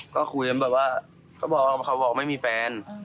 ก็คุยแบบว่าเขาบอกไม่มีแฟน